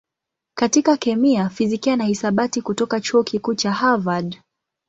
katika kemia, fizikia na hisabati kutoka Chuo Kikuu cha Harvard.